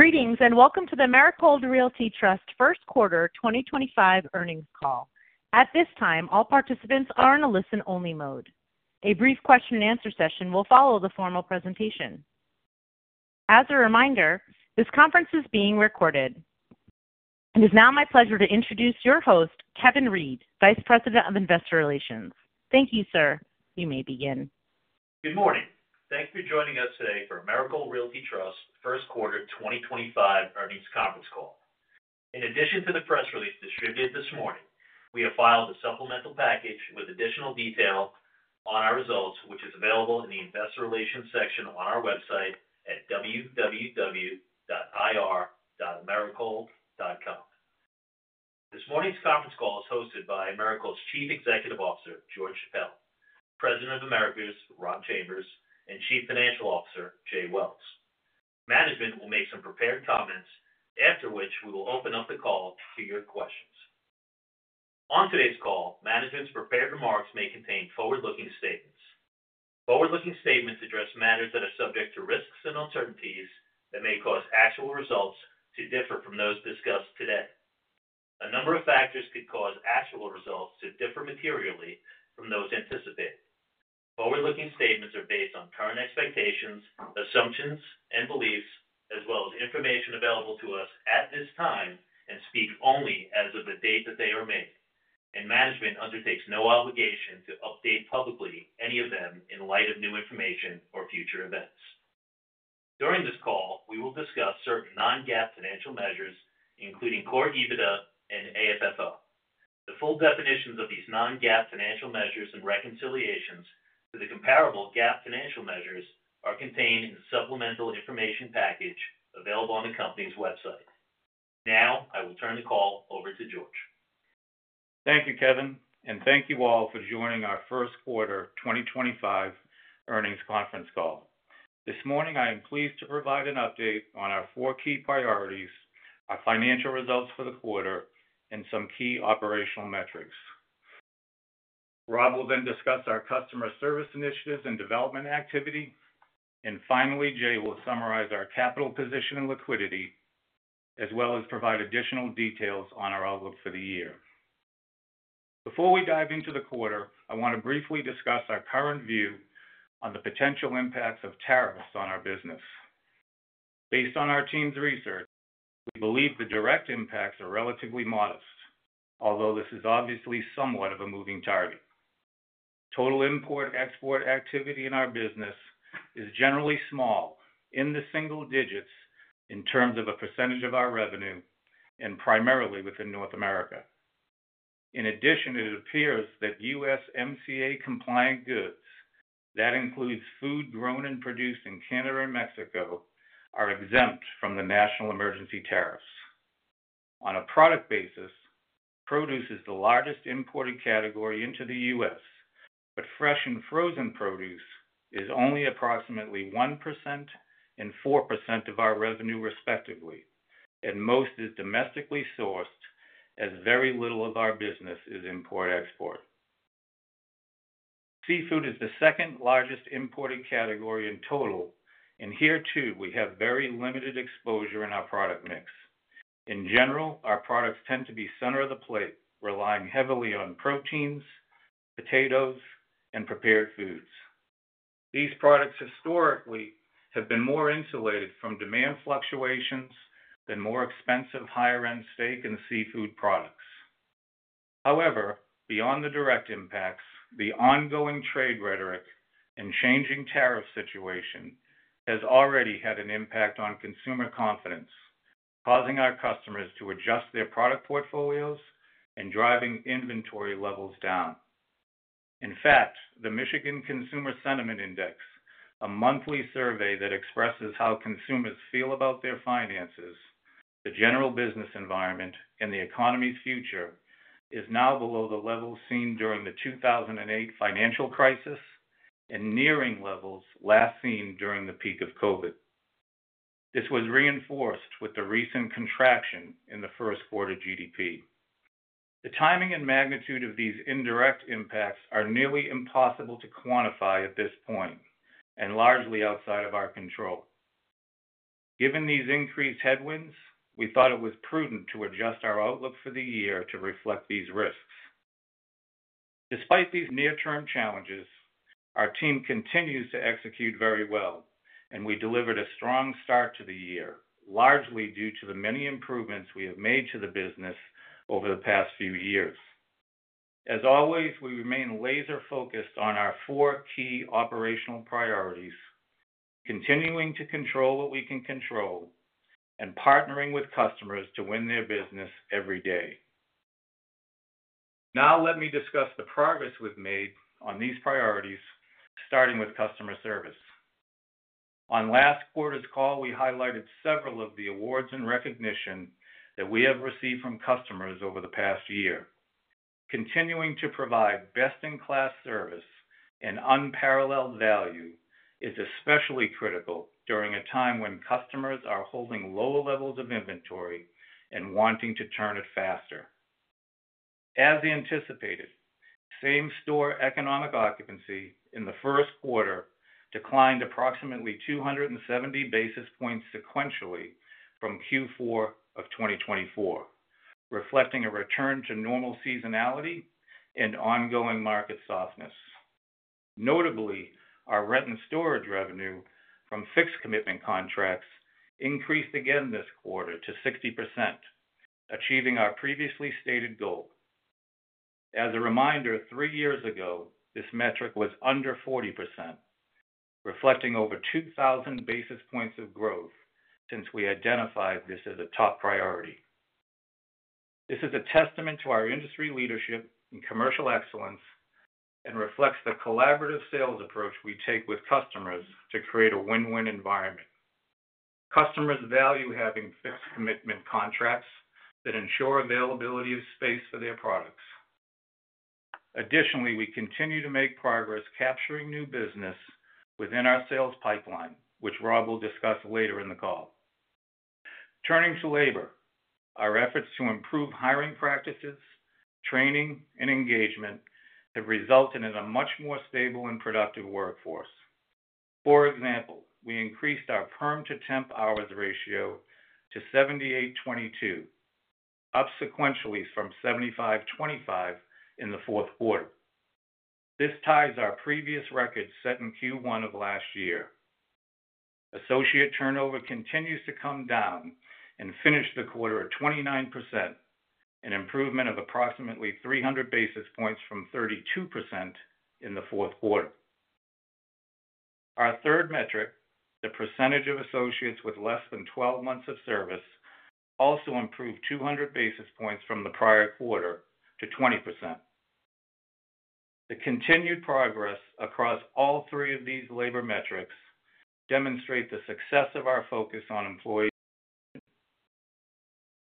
Greetings and welcome to the Americold Realty Trust First Quarter 2025 Earnings Call. At this time, all participants are in a listen-only mode. A brief question-and-answer session will follow the formal presentation. As a reminder, this conference is being recorded. It is now my pleasure to introduce your host, Kevin Reed, Vice President of Investor Relations. Thank you, sir. You may begin. Good morning. Thank you for joining us today for Americold Realty Trust First Quarter 2025 Earnings Conference Call. In addition to the press release distributed this morning, we have filed a supplemental package with additional detail on our results, which is available in the investor relations section on our website at www.ir.americold.com. This morning's conference call is hosted by Americold's Chief Executive Officer, George Chappelle, President of Americold, Rob Chambers, and Chief Financial Officer, Jay Wells. Management will make some prepared comments, after which we will open up the call to your questions. On today's call, management's prepared remarks may contain forward-looking statements. Forward-looking statements address matters that are subject to risks and uncertainties that may cause actual results to differ from those discussed today. A number of factors could cause actual results to differ materially from those anticipated. Forward-looking statements are based on current expectations, assumptions, and beliefs, as well as information available to us at this time and speak only as of the date that they are made. Management undertakes no obligation to update publicly any of them in light of new information or future events. During this call, we will discuss certain non-GAAP financial measures, including core EBITDA and AFFO. The full definitions of these non-GAAP financial measures and reconciliations to the comparable GAAP financial measures are contained in the supplemental information package available on the company's website. Now, I will turn the call over to George. Thank you, Kevin, and thank you all for joining our First Quarter 2025 Earnings Conference Call. This morning, I am pleased to provide an update on our four key priorities, our financial results for the quarter, and some key operational metrics. Rob will then discuss our customer service initiatives and development activity. Jay will summarize our capital position and liquidity, as well as provide additional details on our outlook for the year. Before we dive into the quarter, I want to briefly discuss our current view on the potential impacts of tariffs on our business. Based on our team's research, we believe the direct impacts are relatively modest, although this is obviously somewhat of a moving target. Total import-export activity in our business is generally small, in the single digits in terms of a percentage of our revenue, and primarily within North America. In addition, it appears that U.S. MCA-compliant goods—that includes food grown and produced in Canada and Mexico—are exempt from the national emergency tariffs. On a product basis, produce is the largest imported category into the U.S., but fresh and frozen produce is only approximately 1% and 4% of our revenue, respectively. Most is domestically sourced, as very little of our business is import-export. Seafood is the second-largest imported category in total, and here, too, we have very limited exposure in our product mix. In general, our products tend to be center of the plate, relying heavily on proteins, potatoes, and prepared foods. These products historically have been more insulated from demand fluctuations than more expensive, higher-end steak and seafood products. However, beyond the direct impacts, the ongoing trade rhetoric and changing tariff situation has already had an impact on consumer confidence, causing our customers to adjust their product portfolios and driving inventory levels down. In fact, the Michigan Consumer Sentiment Index, a monthly survey that expresses how consumers feel about their finances, the general business environment, and the economy's future, is now below the levels seen during the 2008 financial crisis and nearing levels last seen during the peak of COVID. This was reinforced with the recent contraction in the first quarter GDP. The timing and magnitude of these indirect impacts are nearly impossible to quantify at this point and largely outside of our control. Given these increased headwinds, we thought it was prudent to adjust our outlook for the year to reflect these risks. Despite these near-term challenges, our team continues to execute very well, and we delivered a strong start to the year, largely due to the many improvements we have made to the business over the past few years. As always, we remain laser-focused on our four key operational priorities, continuing to control what we can control, and partnering with customers to win their business every day. Now, let me discuss the progress we have made on these priorities, starting with customer service. On last quarter's call, we highlighted several of the awards and recognition that we have received from customers over the past year. Continuing to provide best-in-class service and unparalleled value is especially critical during a time when customers are holding low levels of inventory and wanting to turn it faster. As anticipated, same-store economic occupancy in the first quarter declined approximately 270 basis points sequentially from Q4 of 2024, reflecting a return to normal seasonality and ongoing market softness. Notably, our rent-and-storage revenue from fixed-commitment contracts increased again this quarter to 60%, achieving our previously stated goal. As a reminder, three years ago, this metric was under 40%, reflecting over 2,000 basis points of growth since we identified this as a top priority. This is a testament to our industry leadership and commercial excellence and reflects the collaborative sales approach we take with customers to create a win-win environment. Customers value having fixed-commitment contracts that ensure availability of space for their products. Additionally, we continue to make progress capturing new business within our sales pipeline, which Rob will discuss later in the call. Turning to labor, our efforts to improve hiring practices, training, and engagement have resulted in a much more stable and productive workforce. For example, we increased our perm-to-temp hours ratio to 78/22, up sequentially from 75/25 in the fourth quarter. This ties our previous record set in Q1 of last year. Associate turnover continues to come down and finished the quarter at 29%, an improvement of approximately 300 basis points from 32% in the fourth quarter. Our third metric, the percentage of associates with less than 12 months of service, also improved 200 basis points from the prior quarter to 20%. The continued progress across all three of these labor metrics demonstrates the success of our focus on employees.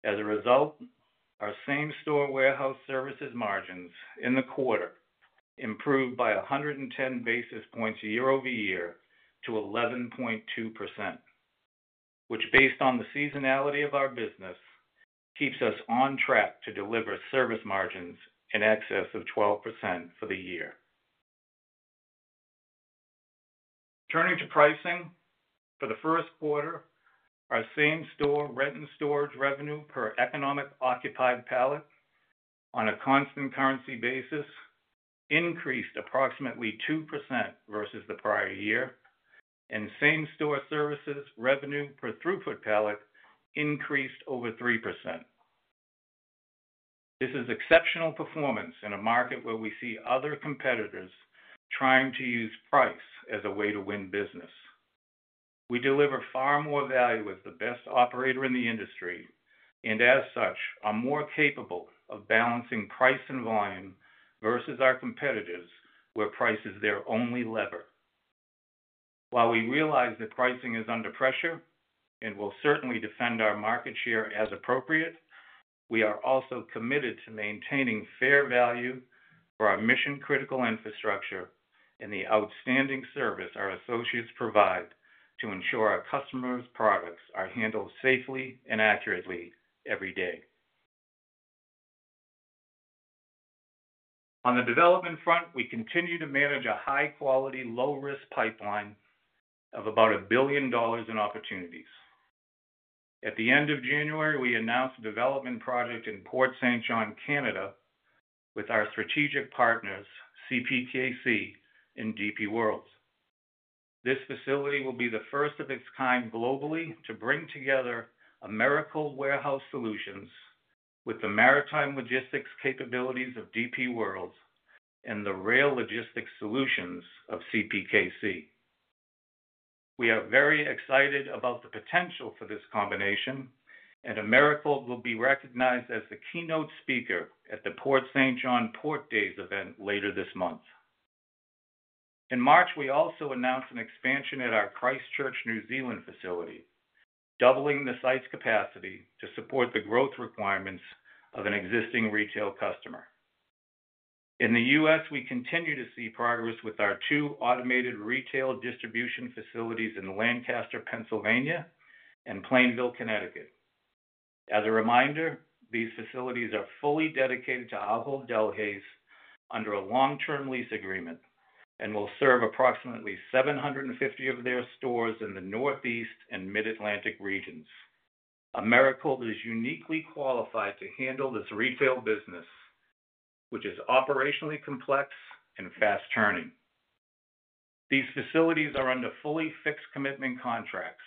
As a result, our same-store warehouse services margins in the quarter improved by 110 basis points year-over-year to 11.2%, which, based on the seasonality of our business, keeps us on track to deliver service margins in excess of 12% for the year. Turning to pricing, for the first quarter, our same-store rent-and-storage revenue per economic-occupied pallet on a constant currency basis increased approximately 2% versus the prior year, and same-store services revenue per throughput pallet increased over 3%. This is exceptional performance in a market where we see other competitors trying to use price as a way to win business. We deliver far more value as the best operator in the industry and, as such, are more capable of balancing price and volume versus our competitors where price is their only lever. While we realize that pricing is under pressure and will certainly defend our market share as appropriate, we are also committed to maintaining fair value for our mission-critical infrastructure and the outstanding service our associates provide to ensure our customers' products are handled safely and accurately every day. On the development front, we continue to manage a high-quality, low-risk pipeline of about $1 billion in opportunities. At the end of January, we announced a development project in Port Saint John, Canada, with our strategic partners, CPKC and DP World. This facility will be the first of its kind globally to bring together Americold Warehouse Solutions with the maritime logistics capabilities of DP World and the rail logistics solutions of CPKC. We are very excited about the potential for this combination, and Americold will be recognized as the keynote speaker at the Port Saint John. John Port Days event later this month. In March, we also announced an expansion at our Christchurch, New Zealand facility, doubling the site's capacity to support the growth requirements of an existing retail customer. In the U.S., we continue to see progress with our two automated retail distribution facilities in Lancaster, Pennsylvania, and Plainville, Connecticut. As a reminder, these facilities are fully dedicated to Ahold Delhaize under a long-term lease agreement and will serve approximately 750 of their stores in the Northeast and Mid-Atlantic regions. Americold is uniquely qualified to handle this retail business, which is operationally complex and fast-turning. These facilities are under fully fixed-commitment contracts,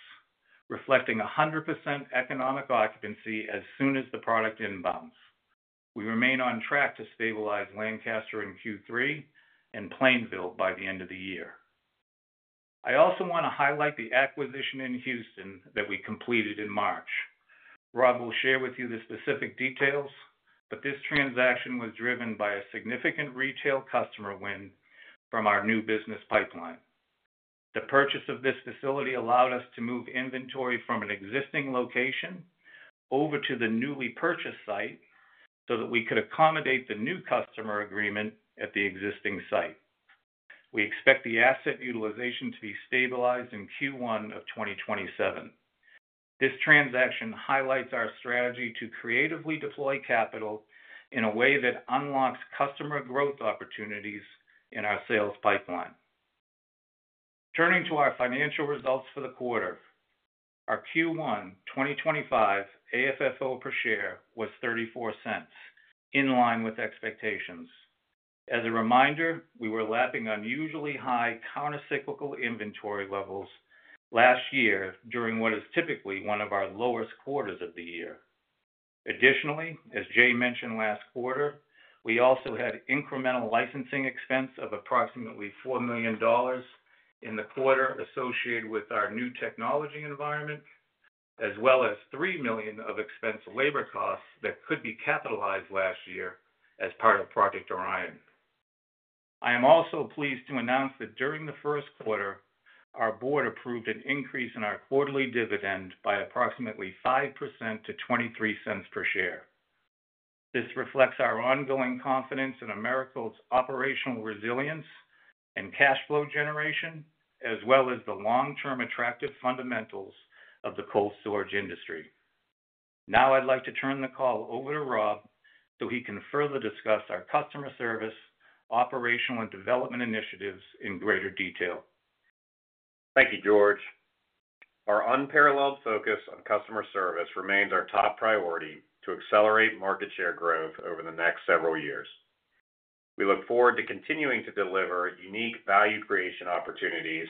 reflecting 100% economic occupancy as soon as the product inbounds. We remain on track to stabilize Lancaster in Q3 and Plainville by the end of the year. I also want to highlight the acquisition in Houston that we completed in March. Rob will share with you the specific details, but this transaction was driven by a significant retail customer win from our new business pipeline. The purchase of this facility allowed us to move inventory from an existing location over to the newly purchased site so that we could accommodate the new customer agreement at the existing site. We expect the asset utilization to be stabilized in Q1 of 2027. This transaction highlights our strategy to creatively deploy capital in a way that unlocks customer growth opportunities in our sales pipeline. Turning to our financial results for the quarter, our Q1 2025 AFFO per share was $0.34, in line with expectations. As a reminder, we were lapping unusually high countercyclical inventory levels last year during what is typically one of our lowest quarters of the year. Additionally, as Jay mentioned last quarter, we also had incremental licensing expense of approximately $4 million in the quarter associated with our new technology environment, as well as $3 million of expense labor costs that could be capitalized last year as part of Project Orion. I am also pleased to announce that during the first quarter, our board approved an increase in our quarterly dividend by approximately 5% to $0.23 per share. This reflects our ongoing confidence in Americold's operational resilience and cash flow generation, as well as the long-term attractive fundamentals of the cold storage industry. Now, I'd like to turn the call over to Rob so he can further discuss our customer service, operational, and development initiatives in greater detail. Thank you, George. Our unparalleled focus on customer service remains our top priority to accelerate market share growth over the next several years. We look forward to continuing to deliver unique value creation opportunities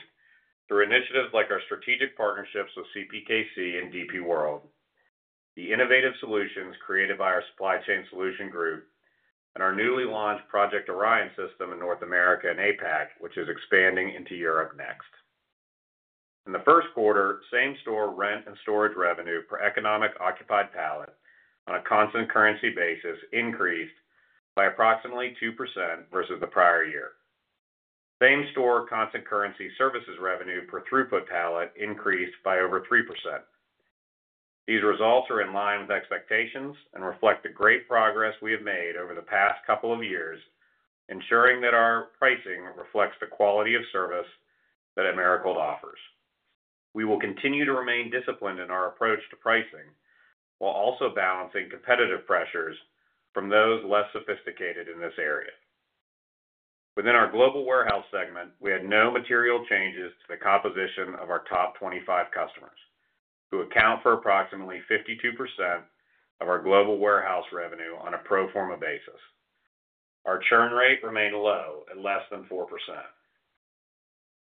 through initiatives like our strategic partnerships with CPKC and DP World, the innovative solutions created by our supply chain solution group, and our newly launched Project Orion system in North America and APAC, which is expanding into Europe next. In the first quarter, same-store rent-and-storage revenue per economic-occupied pallet on a constant currency basis increased by approximately 2% versus the prior year. Same-store constant currency services revenue per throughput pallet increased by over 3%. These results are in line with expectations and reflect the great progress we have made over the past couple of years, ensuring that our pricing reflects the quality of service that Americold offers. We will continue to remain disciplined in our approach to pricing while also balancing competitive pressures from those less sophisticated in this area. Within our global warehouse segment, we had no material changes to the composition of our top 25 customers, who account for approximately 52% of our global warehouse revenue on a pro forma basis. Our churn rate remained low at less than 4%.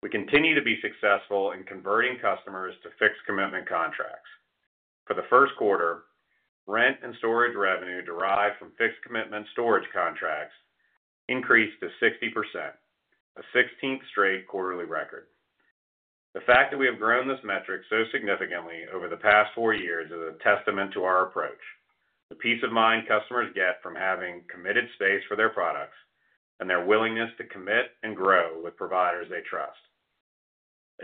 We continue to be successful in converting customers to fixed-commitment contracts. For the first quarter, rent and storage revenue derived from fixed-commitment storage contracts increased to 60%, a 16th straight quarterly record. The fact that we have grown this metric so significantly over the past four years is a testament to our approach, the peace of mind customers get from having committed space for their products, and their willingness to commit and grow with providers they trust.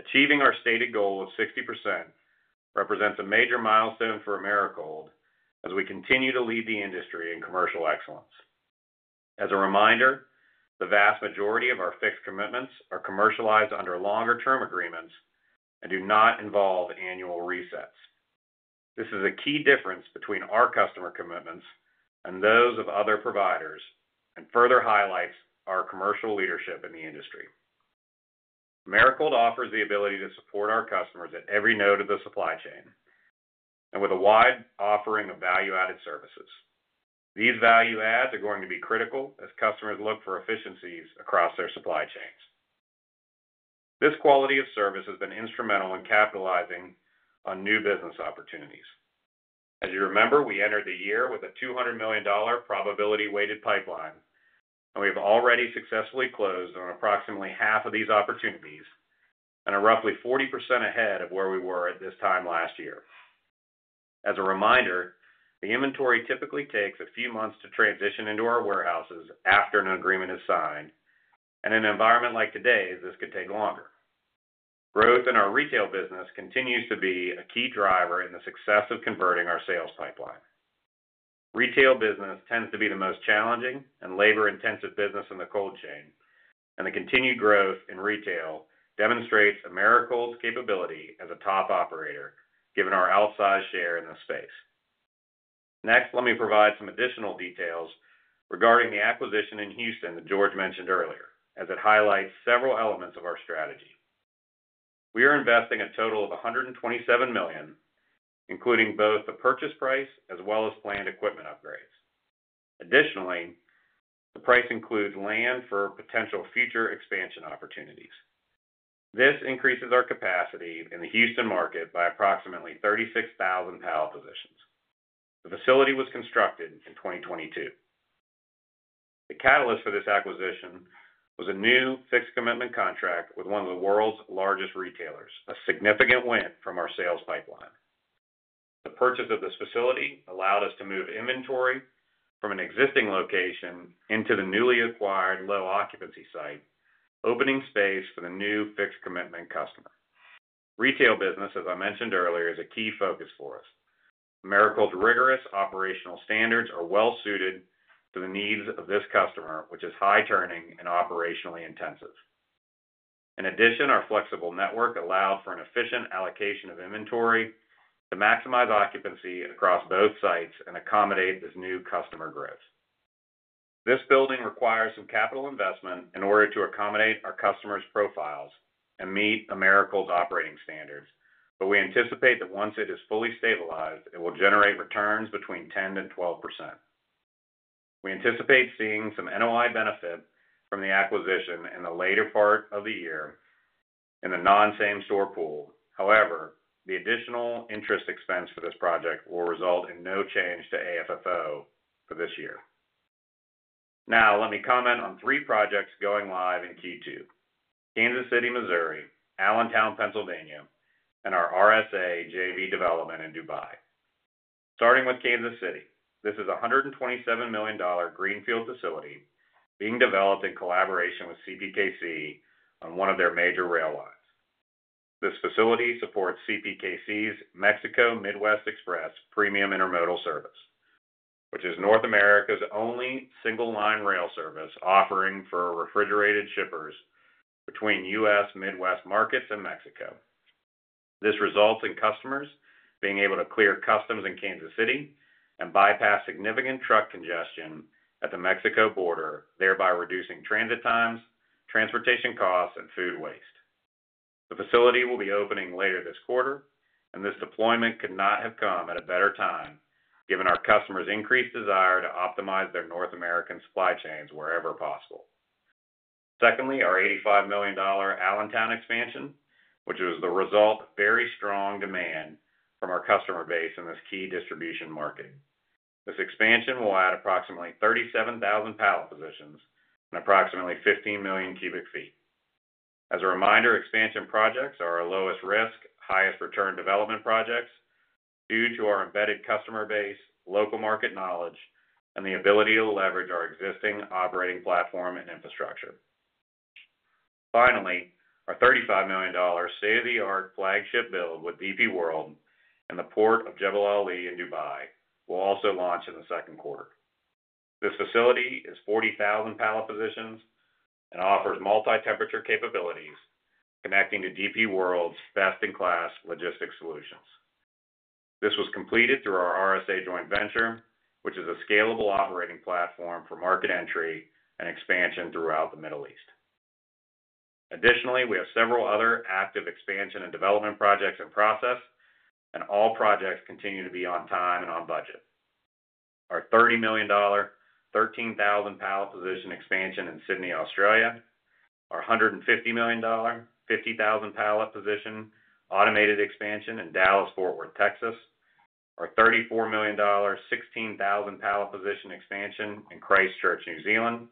Achieving our stated goal of 60% represents a major milestone for Americold as we continue to lead the industry in commercial excellence. As a reminder, the vast majority of our fixed commitments are commercialized under longer-term agreements and do not involve annual resets. This is a key difference between our customer commitments and those of other providers and further highlights our commercial leadership in the industry. Americold offers the ability to support our customers at every node of the supply chain and with a wide offering of value-added services. These value-adds are going to be critical as customers look for efficiencies across their supply chains. This quality of service has been instrumental in capitalizing on new business opportunities. As you remember, we entered the year with a $200 million probability-weighted pipeline, and we have already successfully closed on approximately half of these opportunities and are roughly 40% ahead of where we were at this time last year. As a reminder, the inventory typically takes a few months to transition into our warehouses after an agreement is signed, and in an environment like today, this could take longer. Growth in our retail business continues to be a key driver in the success of converting our sales pipeline. Retail business tends to be the most challenging and labor-intensive business in the cold chain, and the continued growth in retail demonstrates Americold's capability as a top operator, given our outsized share in the space. Next, let me provide some additional details regarding the acquisition in Houston that George mentioned earlier, as it highlights several elements of our strategy. We are investing a total of $127 million, including both the purchase price as well as planned equipment upgrades. Additionally, the price includes land for potential future expansion opportunities. This increases our capacity in the Houston market by approximately 36,000 pallet positions. The facility was constructed in 2022. The catalyst for this acquisition was a new fixed-commitment contract with one of the world's largest retailers, a significant win from our sales pipeline. The purchase of this facility allowed us to move inventory from an existing location into the newly acquired low-occupancy site, opening space for the new fixed-commitment customer. Retail business, as I mentioned earlier, is a key focus for us. Americold's rigorous operational standards are well-suited to the needs of this customer, which is high-turning and operationally intensive. In addition, our flexible network allows for an efficient allocation of inventory to maximize occupancy across both sites and accommodate this new customer growth. This building requires some capital investment in order to accommodate our customer's profiles and meet Americold's operating standards, but we anticipate that once it is fully stabilized, it will generate returns between 10% and 12%. We anticipate seeing some NOI benefit from the acquisition in the later part of the year in the non-same-store pool. However, the additional interest expense for this project will result in no change to AFFO for this year. Now, let me comment on three projects going live in Q2: Kansas City, Missouri; Allentown, Pennsylvania; and our RSA JV development in Dubai. Starting with Kansas City, this is a $127 million greenfield facility being developed in collaboration with CPKC on one of their major rail lines. This facility supports CPKC's Mexico Midwest Express Premium Intermodal Service, which is North America's only single-line rail service offering for refrigerated shippers between U.S. Midwest markets and Mexico. This results in customers being able to clear customs in Kansas City and bypass significant truck congestion at the Mexico border, thereby reducing transit times, transportation costs, and food waste. The facility will be opening later this quarter, and this deployment could not have come at a better time, given our customers' increased desire to optimize their North American supply chains wherever possible. Secondly, our $85 million Allentown expansion, which was the result of very strong demand from our customer base in this key distribution market. This expansion will add approximately 37,000 pallet positions and approximately 15 million cubic feet. As a reminder, expansion projects are our lowest risk, highest return development projects due to our embedded customer base, local market knowledge, and the ability to leverage our existing operating platform and infrastructure. Finally, our $35 million state-of-the-art flagship build with DP World in the Port of Jebel Ali in Dubai will also launch in the second quarter. This facility is 40,000 pallet positions and offers multi-temperature capabilities, connecting to DP World's best-in-class logistics solutions. This was completed through our RSA joint venture, which is a scalable operating platform for market entry and expansion throughout the Middle East. Additionally, we have several other active expansion and development projects in process, and all projects continue to be on time and on budget. Our $30 million 13,000 pallet position expansion in Sydney, Australia, our $150 million 50,000 pallet position automated expansion in Dallas-Fort Worth, Texas, our $34 million 16,000 pallet position expansion in Christchurch, New Zealand,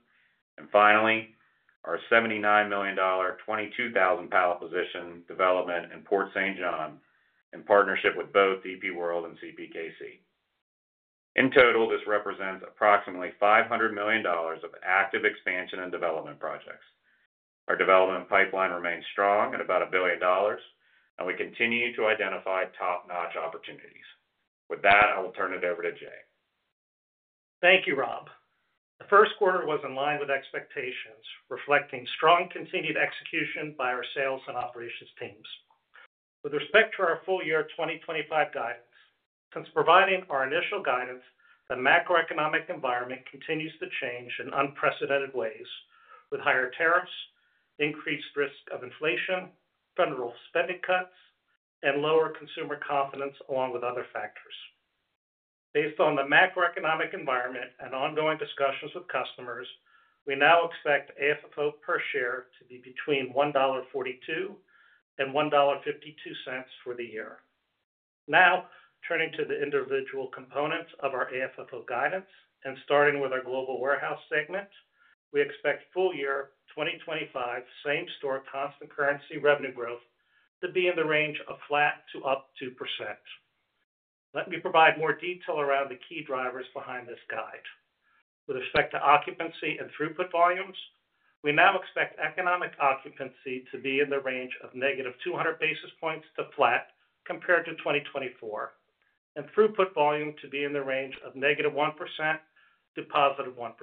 and finally, our $79 million 22,000 pallet position development in Port Saint John in partnership with both DP World and CPKC. In total, this represents approximately $500 million of active expansion and development projects. Our development pipeline remains strong at about $1 billion, and we continue to identify top-notch opportunities. With that, I will turn it over to Jay. Thank you, Rob. The first quarter was in line with expectations, reflecting strong continued execution by our sales and operations teams. With respect to our full year 2025 guidance, since providing our initial guidance, the macroeconomic environment continues to change in unprecedented ways, with higher tariffs, increased risk of inflation, federal spending cuts, and lower consumer confidence, along with other factors. Based on the macroeconomic environment and ongoing discussions with customers, we now expect AFFO per share to be between $1.42 and $1.52 for the year. Now, turning to the individual components of our AFFO guidance and starting with our global warehouse segment, we expect full year 2025 same-store constant currency revenue growth to be in the range of flat to up 2%. Let me provide more detail around the key drivers behind this guide. With respect to occupancy and throughput volumes, we now expect economic occupancy to be in the range of negative 200 basis points to flat compared to 2024, and throughput volume to be in the range of negative 1% to positive 1%.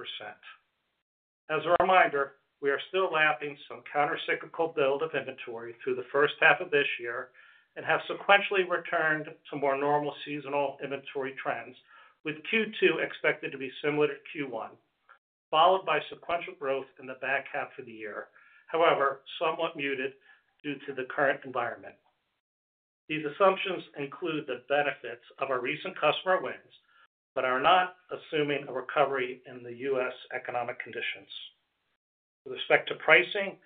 As a reminder, we are still lapping some countercyclical build of inventory through the first half of this year and have sequentially returned to more normal seasonal inventory trends, with Q2 expected to be similar to Q1, followed by sequential growth in the back half of the year, however somewhat muted due to the current environment. These assumptions include the benefits of our recent customer wins but are not assuming a recovery in the U.S. economic conditions. With respect to pricing,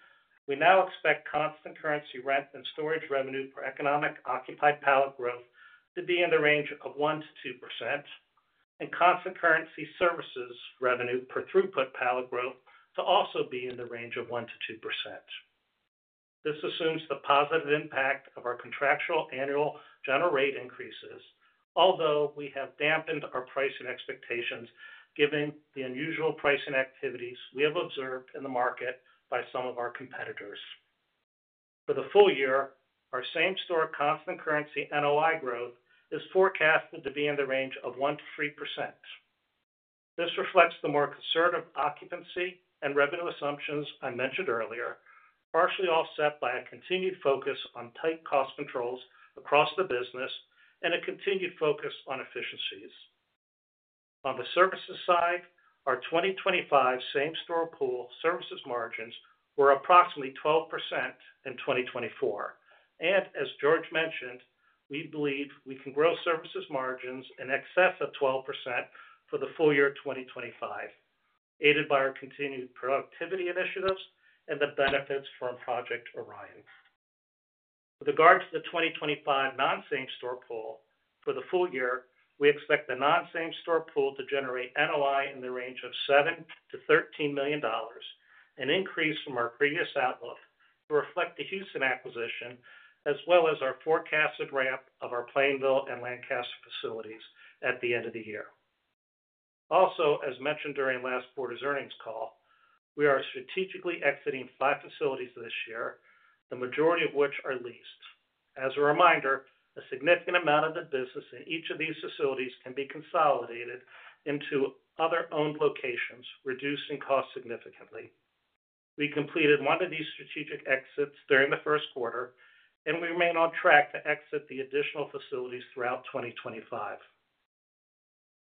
we now expect constant currency rent and storage revenue per economic-occupied pallet growth to be in the range of 1%-2%, and constant currency services revenue per throughput pallet growth to also be in the range of 1%-2%. This assumes the positive impact of our contractual annual general rate increases, although we have dampened our pricing expectations given the unusual pricing activities we have observed in the market by some of our competitors. For the full year, our same-store constant currency NOI growth is forecasted to be in the range of 1%-3%. This reflects the more conservative occupancy and revenue assumptions I mentioned earlier, partially offset by a continued focus on tight cost controls across the business and a continued focus on efficiencies. On the services side, our 2025 same-store pool services margins were approximately 12% in 2024, and as George mentioned, we believe we can grow services margins in excess of 12% for the full year 2025, aided by our continued productivity initiatives and the benefits from Project Orion. With regard to the 2025 non-same-store pool, for the full year, we expect the non-same-store pool to generate NOI in the range of $7 million-$13 million, an increase from our previous outlook to reflect the Houston acquisition, as well as our forecasted ramp of our Plainville and Lancaster facilities at the end of the year. Also, as mentioned during last quarter's earnings call, we are strategically exiting five facilities this year, the majority of which are leased. As a reminder, a significant amount of the business in each of these facilities can be consolidated into other owned locations, reducing costs significantly. We completed one of these strategic exits during the first quarter, and we remain on track to exit the additional facilities throughout 2025.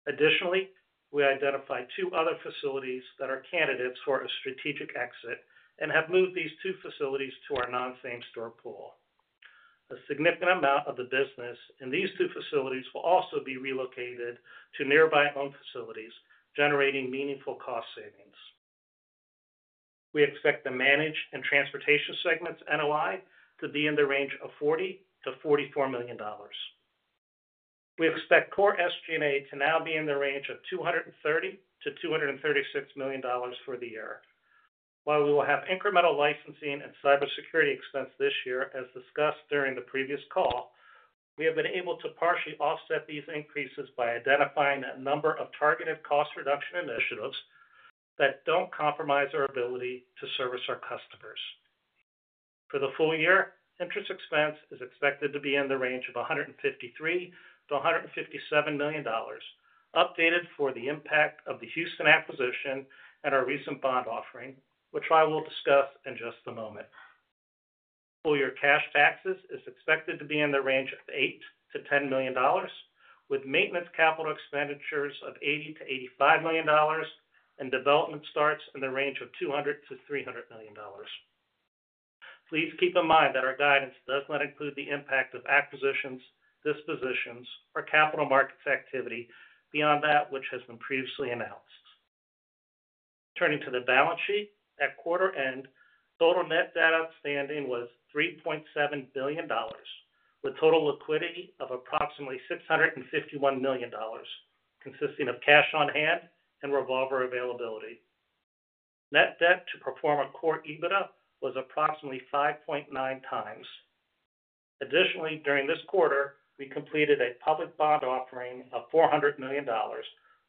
Additionally, we identified two other facilities that are candidates for a strategic exit and have moved these two facilities to our non-same-store pool. A significant amount of the business in these two facilities will also be relocated to nearby owned facilities, generating meaningful cost savings. We expect the managed and transportation segments NOI to be in the range of $40 million-$44 million. We expect core SG&A to now be in the range of $230 million-$236 million for the year. While we will have incremental licensing and cybersecurity expenses this year, as discussed during the previous call, we have been able to partially offset these increases by identifying a number of targeted cost reduction initiatives that do not compromise our ability to service our customers. For the full year, interest expense is expected to be in the range of $153 million-$157 million, updated for the impact of the Houston acquisition and our recent bond offering, which I will discuss in just a moment. Full year cash taxes is expected to be in the range of $8 million-$10 million, with maintenance capital expenditures of $80 million-$85 million and development starts in the range of $200 million-$300 million. Please keep in mind that our guidance does not include the impact of acquisitions, dispositions, or capital markets activity beyond that which has been previously announced. Turning to the balance sheet, at quarter end, total net debt outstanding was $3.7 billion, with total liquidity of approximately $651 million, consisting of cash on hand and revolver availability. Net debt to Core EBITDA was approximately 5.9x. Additionally, during this quarter, we completed a public bond offering of $400 million,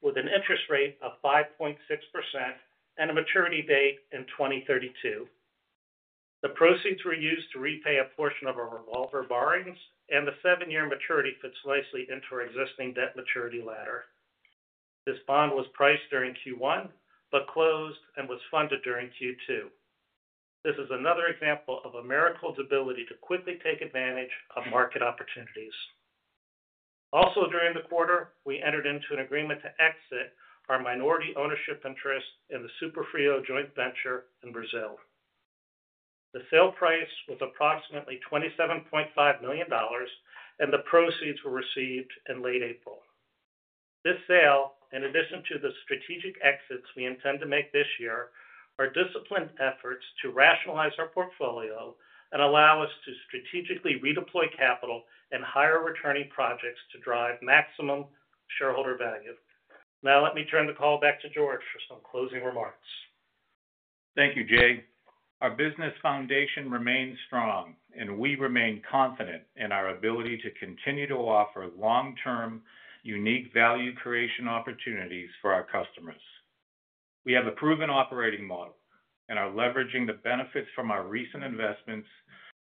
with an interest rate of 5.6% and a maturity date in 2032. The proceeds were used to repay a portion of our revolver borrowings, and the seven-year maturity fits nicely into our existing debt maturity ladder. This bond was priced during Q1 but closed and was funded during Q2. This is another example of Americold's ability to quickly take advantage of market opportunities. Also, during the quarter, we entered into an agreement to exit our minority ownership interest in the Superfrio Joint Venture in Brazil. The sale price was approximately $27.5 million, and the proceeds were received in late April. This sale, in addition to the strategic exits we intend to make this year, are disciplined efforts to rationalize our portfolio and allow us to strategically redeploy capital and hire returning projects to drive maximum shareholder value. Now, let me turn the call back to George for some closing remarks. Thank you, Jay. Our business foundation remains strong, and we remain confident in our ability to continue to offer long-term unique value creation opportunities for our customers. We have a proven operating model and are leveraging the benefits from our recent investments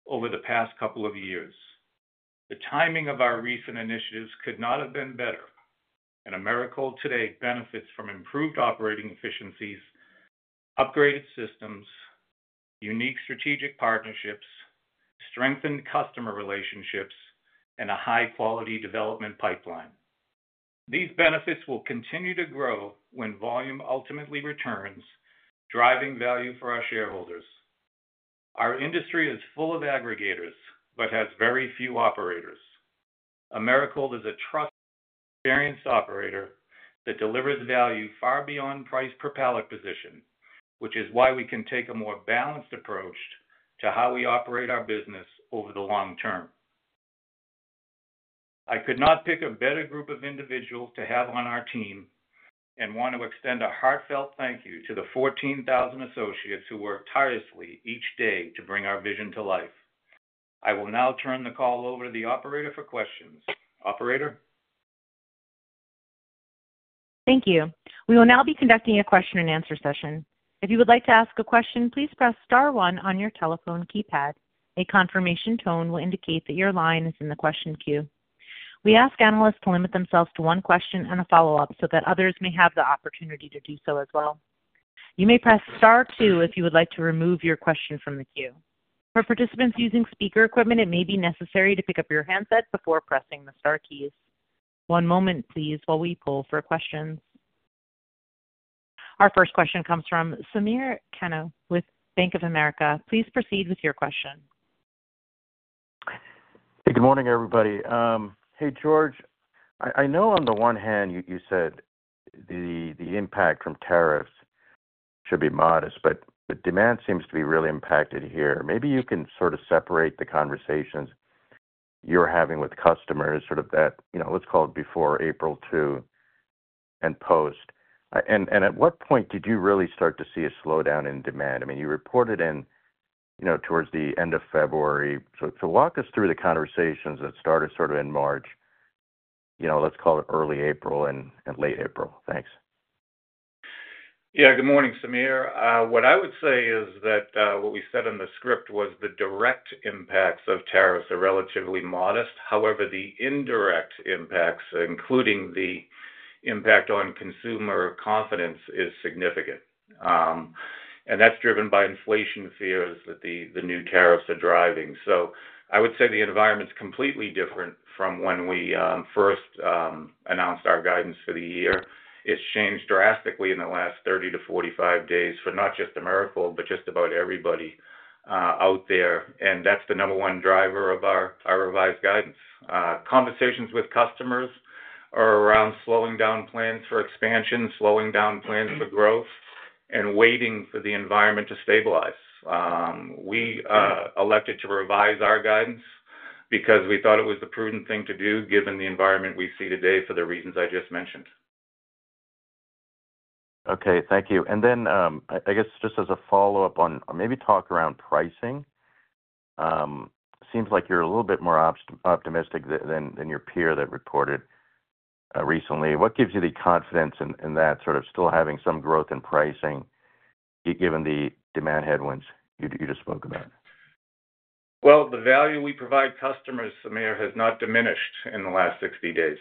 over the past couple of years. The timing of our recent initiatives could not have been better, and Americold today benefits from improved operating efficiencies, upgraded systems, unique strategic partnerships, strengthened customer relationships, and a high-quality development pipeline. These benefits will continue to grow when volume ultimately returns, driving value for our shareholders. Our industry is full of aggregators but has very few operators. Americold is a trusted, experienced operator that delivers value far beyond price per pallet position, which is why we can take a more balanced approach to how we operate our business over the long term. I could not pick a better group of individuals to have on our team and want to extend a heartfelt thank you to the 14,000 associates who work tirelessly each day to bring our vision to life. I will now turn the call over to the operator for questions. Operator. Thank you. We will now be conducting a question-and-answer session. If you would like to ask a question, please press star one on your telephone keypad. A confirmation tone will indicate that your line is in the question queue. We ask analysts to limit themselves to one question and a follow-up so that others may have the opportunity to do so as well. You may press star two if you would like to remove your question from the queue. For participants using speaker equipment, it may be necessary to pick up your handset before pressing the star keys. One moment, please, while we pull for questions. Our first question comes from Samir Khanal with Bank of America. Please proceed with your question. Hey, good morning, everybody. Hey, George. I know on the one hand you said the impact from tariffs should be modest, but demand seems to be really impacted here. Maybe you can sort of separate the conversations you're having with customers, sort of that, let's call it before April 2 and post. And at what point did you really start to see a slowdown in demand? I mean, you reported in towards the end of February. Walk us through the conversations that started sort of in March, let's call it early April and late April. Thanks. Yeah, good morning, Samir. What I would say is that what we said in the script was the direct impacts of tariffs are relatively modest. However, the indirect impacts, including the impact on consumer confidence, are significant. That's driven by inflation fears that the new tariffs are driving. I would say the environment's completely different from when we first announced our guidance for the year. It's changed drastically in the last 30 days-45 days for not just Americold, but just about everybody out there. That's the number one driver of our revised guidance. Conversations with customers are around slowing down plans for expansion, slowing down plans for growth, and waiting for the environment to stabilize. We elected to revise our guidance because we thought it was the prudent thing to do, given the environment we see today for the reasons I just mentioned. Okay, thank you. I guess just as a follow-up on maybe talk around pricing, it seems like you're a little bit more optimistic than your peer that reported recently. What gives you the confidence in that, sort of still having some growth in pricing, given the demand headwinds you just spoke about? The value we provide customers, Samir, has not diminished in the last 60 days.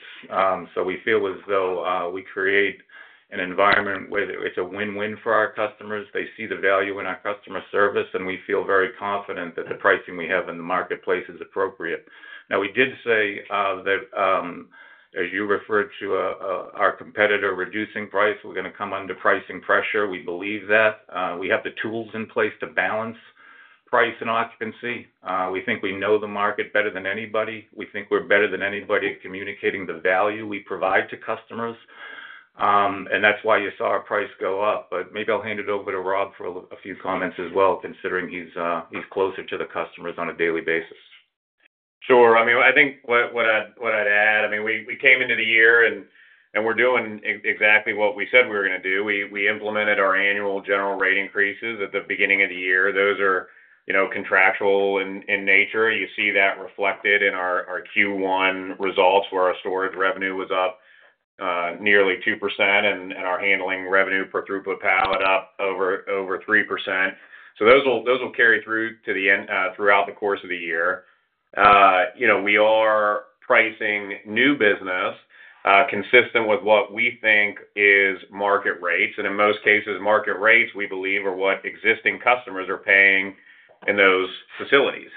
We feel as though we create an environment where it's a win-win for our customers. They see the value in our customer service, and we feel very confident that the pricing we have in the marketplace is appropriate. Now, we did say that, as you referred to our competitor reducing price, we're going to come under pricing pressure. We believe that. We have the tools in place to balance price and occupancy. We think we know the market better than anybody. We think we're better than anybody at communicating the value we provide to customers. That is why you saw our price go up. Maybe I'll hand it over to Rob for a few comments as well, considering he's closer to the customers on a daily basis. Sure. I mean, I think what I'd add, I mean, we came into the year, and we're doing exactly what we said we were going to do. We implemented our annual general rate increases at the beginning of the year. Those are contractual in nature. You see that reflected in our Q1 results, where our storage revenue was up nearly 2%, and our handling revenue per throughput pallet up over 3%. Those will carry through throughout the course of the year. We are pricing new business consistent with what we think is market rates. In most cases, market rates, we believe, are what existing customers are paying in those facilities.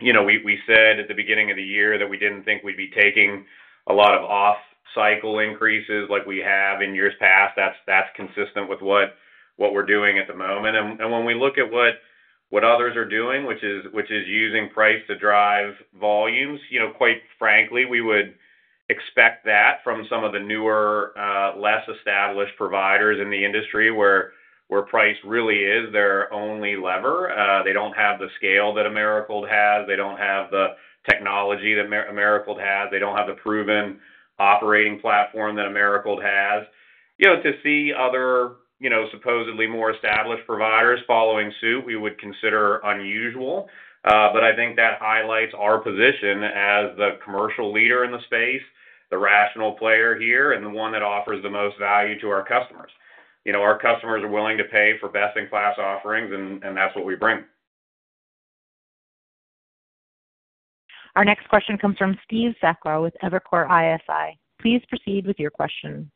We said at the beginning of the year that we did not think we would be taking a lot of off-cycle increases like we have in years past. That is consistent with what we are doing at the moment. When we look at what others are doing, which is using price to drive volumes, quite frankly, we would expect that from some of the newer, less established providers in the industry where price really is their only lever. They do not have the scale that Americold has. They do not have the technology that Americold has. They do not have the proven operating platform that Americold has. To see other supposedly more established providers following suit, we would consider unusual. I think that highlights our position as the commercial leader in the space, the rational player here, and the one that offers the most value to our customers. Our customers are willing to pay for best-in-class offerings, and that is what we bring. Our next question comes from Steve Sakwa with Evercore ISI. Please proceed with your question.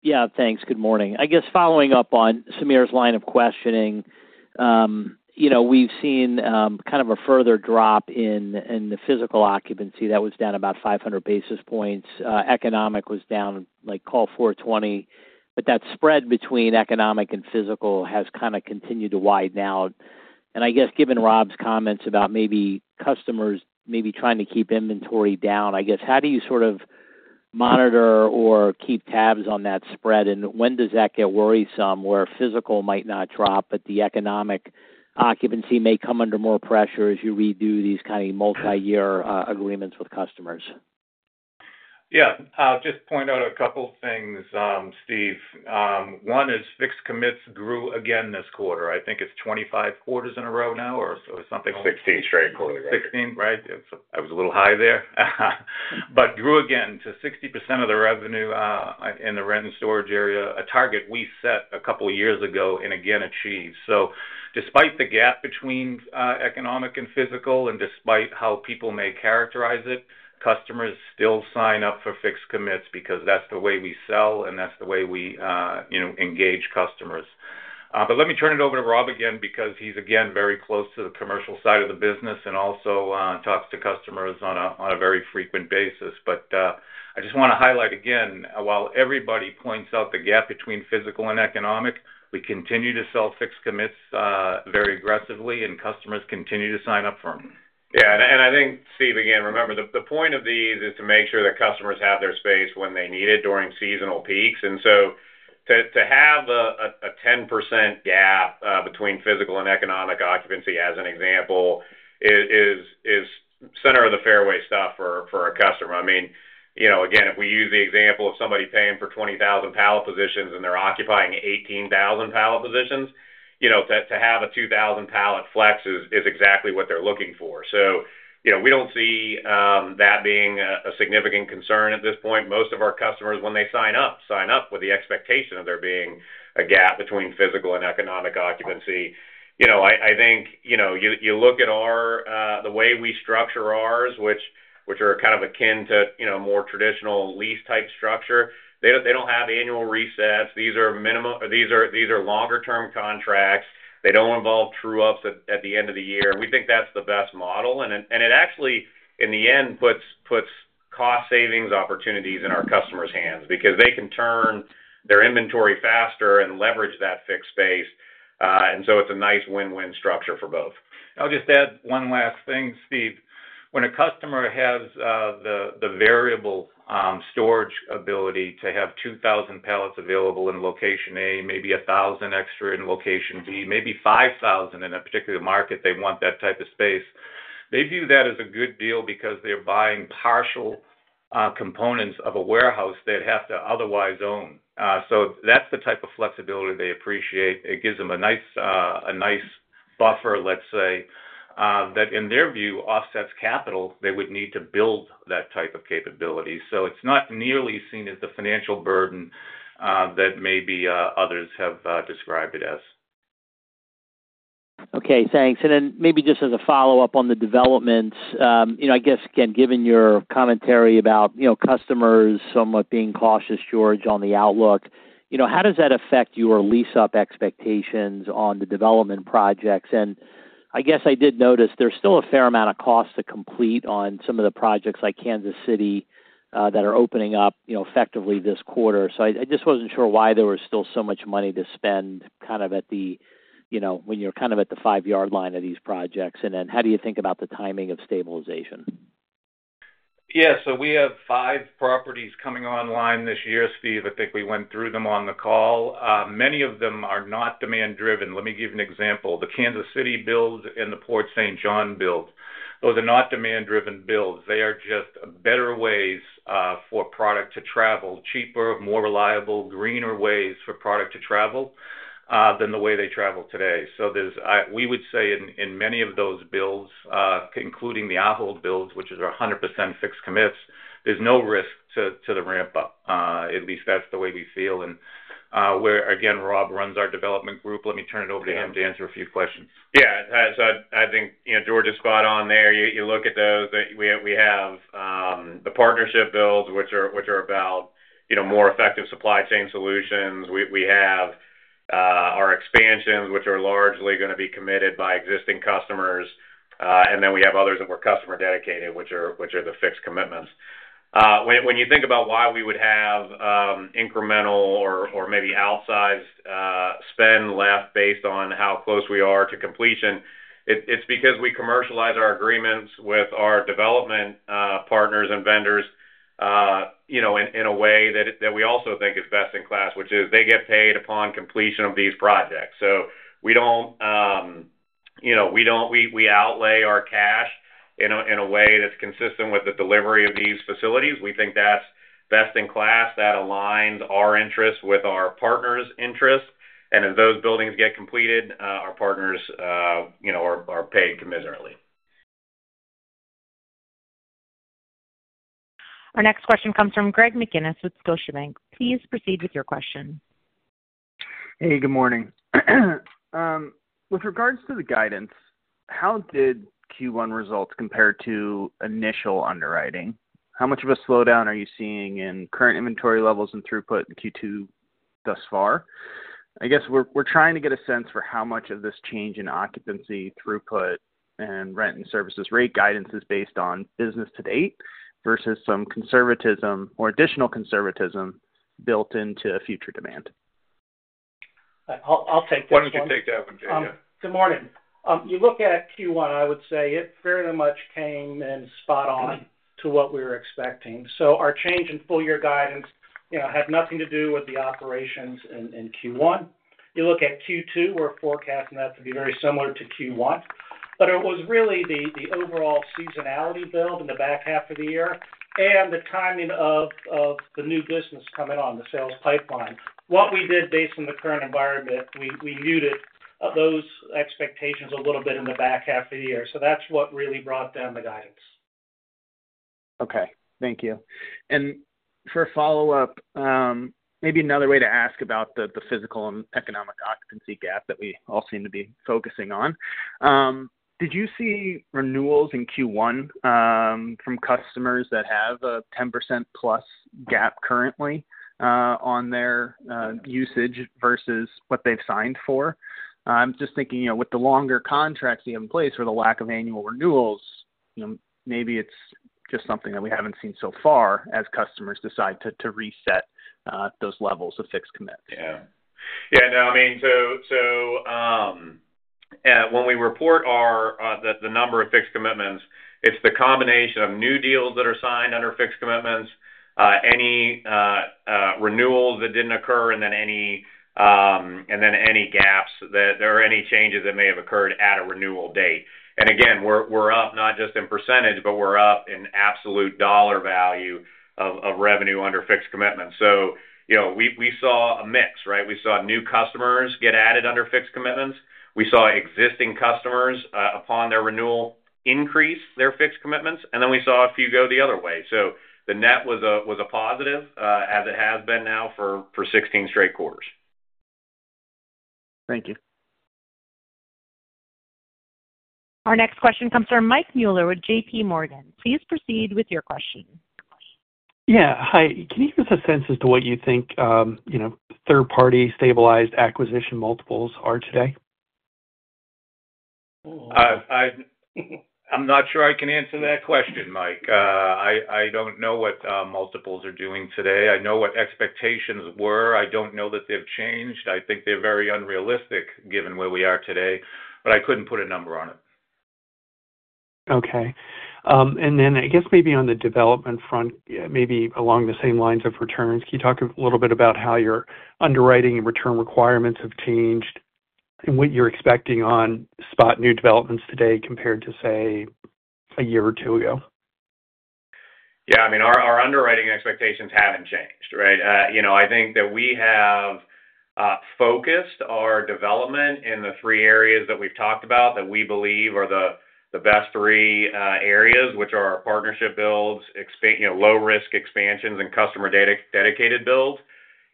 Yeah, thanks. Good morning. I guess following up on Samir's line of questioning, we have seen kind of a further drop in the physical occupancy. That was down about 500 basis points. Economic was down like call it 420. That spread between economic and physical has kind of continued to widen out. I guess given Rob's comments about maybe customers maybe trying to keep inventory down, I guess, how do you sort of monitor or keep tabs on that spread? When does that get worrisome, where physical might not drop, but the economic occupancy may come under more pressure as you redo these kind of multi-year agreements with customers? Yeah. I'll just point out a couple of things, Steve. One is fixed commits grew again this quarter. I think it's 25 quarters in a row now or something. Sixteen straight quarters, right? Sixteen, right? I was a little high there. But grew again to 60% of the revenue in the rent and storage area, a target we set a couple of years ago and again achieved. Despite the gap between economic and physical, and despite how people may characterize it, customers still sign up for fixed commits because that's the way we sell, and that's the way we engage customers. Let me turn it over to Rob again because he's again very close to the commercial side of the business and also talks to customers on a very frequent basis. I just want to highlight again, while everybody points out the gap between physical and economic, we continue to sell fixed commits very aggressively, and customers continue to sign up for them. Yeah. I think, Steve, again, remember the point of these is to make sure that customers have their space when they need it during seasonal peaks. To have a 10% gap between physical and economic occupancy, as an example, is center of the fairway stuff for a customer. I mean, again, if we use the example of somebody paying for 20,000 pallet positions and they're occupying 18,000 pallet positions, to have a 2,000 pallet flex is exactly what they're looking for. We don't see that being a significant concern at this point. Most of our customers, when they sign up, sign up with the expectation of there being a gap between physical and economic occupancy. I think you look at the way we structure ours, which are kind of akin to a more traditional lease-type structure. They don't have annual resets. These are longer-term contracts. They don't involve true-ups at the end of the year. We think that's the best model. It actually, in the end, puts cost savings opportunities in our customers' hands because they can turn their inventory faster and leverage that fixed space. It's a nice win-win structure for both. I'll just add one last thing, Steve. When a customer has the variable storage ability to have 2,000 pallets available in location A, maybe 1,000 extra in location B, maybe 5,000 in a particular market they want that type of space, they view that as a good deal because they're buying partial components of a warehouse they'd have to otherwise own. That is the type of flexibility they appreciate. It gives them a nice buffer, let's say, that in their view offsets capital they would need to build that type of capability. It is not nearly seen as the financial burden that maybe others have described it as. Okay, thanks. Maybe just as a follow-up on the developments, I guess, again, given your commentary about customers somewhat being cautious, George, on the outlook, how does that affect your lease-up expectations on the development projects? I guess I did notice there's still a fair amount of cost to complete on some of the projects like Kansas City that are opening up effectively this quarter. I just wasn't sure why there was still so much money to spend kind of when you're kind of at the five-yard line of these projects. How do you think about the timing of stabilization? Yeah. We have five properties coming online this year, Steve. I think we went through them on the call. Many of them are not demand-driven. Let me give you an example. The Kansas City build and the Port Saint John build, those are not demand-driven builds. They are just better ways for product to travel, cheaper, more reliable, greener ways for product to travel than the way they travel today. We would say in many of those builds, including the Ahold builds, which are 100% fixed commits, there's no risk to the ramp-up. At least that's the way we feel. Where, again, Rob runs our development group, let me turn it over to him to answer a few questions. Yeah. I think George is spot on there. You look at those. We have the partnership builds, which are about more effective supply chain solutions. We have our expansions, which are largely going to be committed by existing customers. Then we have others that were customer dedicated, which are the fixed commitments. When you think about why we would have incremental or maybe outsized spend left based on how close we are to completion, it's because we commercialize our agreements with our development partners and vendors in a way that we also think is best in class, which is they get paid upon completion of these projects. We outlay our cash in a way that's consistent with the delivery of these facilities. We think that's best in class. That aligns our interest with our partners' interests. If those buildings get completed, our partners are paid commiserately. Our next question comes from Graeme McGuinness with Deutsche Bank. Please proceed with your question. Hey, good morning. With regards to the guidance, how did Q1 results compare to initial underwriting? How much of a slowdown are you seeing in current inventory levels and throughput in Q2 thus far? I guess we're trying to get a sense for how much of this change in occupancy, throughput, and rent and services rate guidance is based on business to date versus some conservatism or additional conservatism built into future demand. I'll take that. Why don't you take that one, Jay? Good morning. You look at Q1, I would say it very much came in spot on to what we were expecting. So our change in full-year guidance had nothing to do with the operations in Q1. You look at Q2, we're forecasting that to be very similar to Q1. It was really the overall seasonality build in the back half of the year and the timing of the new business coming on, the sales pipeline. What we did based on the current environment, we muted those expectations a little bit in the back half of the year. That's what really brought down the guidance. Okay. Thank you. For follow-up, maybe another way to ask about the physical and economic occupancy gap that we all seem to be focusing on. Did you see renewals in Q1 from customers that have a 10%+ gap currently on their usage versus what they've signed for? I'm just thinking with the longer contracts you have in place or the lack of annual renewals, maybe it's just something that we haven't seen so far as customers decide to reset those levels of fixed commits. Yeah. Yeah. No, I mean, when we report the number of fixed commitments, it's the combination of new deals that are signed under fixed commitments, any renewals that didn't occur, and then any gaps or any changes that may have occurred at a renewal date. We're up not just in percentage, but we're up in absolute dollar value of revenue under fixed commitments. We saw a mix, right? We saw new customers get added under fixed commitments. We saw existing customers upon their renewal increase their fixed commitments. We saw a few go the other way. The net was a positive as it has been now for 16 straight quarters. Thank you. Our next question comes from Mike Mueller with JPMorgan. Please proceed with your question. Yeah. Hi. Can you give us a sense as to what you think third-party stabilized acquisition multiples are today? I'm not sure I can answer that question, Mike. I don't know what multiples are doing today. I know what expectations were. I don't know that they've changed. I think they're very unrealistic given where we are today. I could not put a number on it. Okay. I guess maybe on the development front, maybe along the same lines of returns, can you talk a little bit about how your underwriting and return requirements have changed and what you are expecting on spot new developments today compared to, say, a year or two ago? Yeah. I mean, our underwriting expectations have not changed, right? I think that we have focused our development in the three areas that we have talked about that we believe are the best three areas, which are our partnership builds, low-risk expansions, and customer dedicated builds.